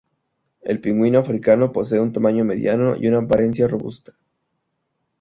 El pingüino africano posee un tamaño mediano y una apariencia robusta.